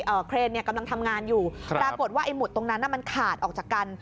เครนเนี่ยกำลังทำงานอยู่ครับปรากฏว่าไอ้หมุดตรงนั้นอ่ะมันขาดออกจากกัน